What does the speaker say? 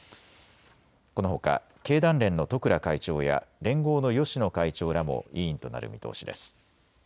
このほか経団連の十倉会長や連合の芳野会長らも委員となる見通しです。